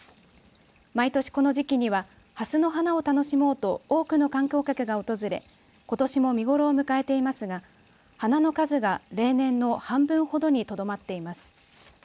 毎年この時期にはハスの花を楽しもうと多くの観光客が訪れことしも見頃を迎えていますが花の数が例年の半分ほどにとどまっています。